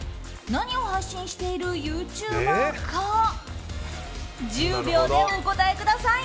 何を配信しているユーチューバーか１０秒でお答えください。